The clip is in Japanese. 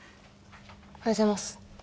おはようございます。